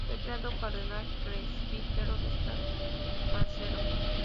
Fue creado cardenal presbítero de San Marcelo.